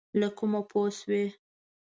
له کومه پوه شوې؟